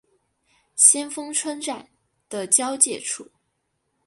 先锋村站的交界处。